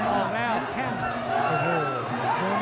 โยฮอล์